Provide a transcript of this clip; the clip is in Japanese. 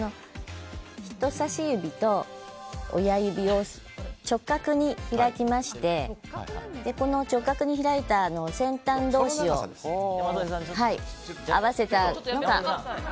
人さし指と親指を直角に開きまして直角に開いたところの先端同士を合わせたもの。